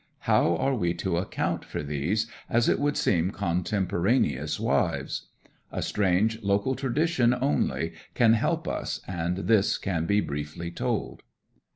How are we to account for these, as it would seem, contemporaneous wives? A strange local tradition only can help us, and this can be briefly told.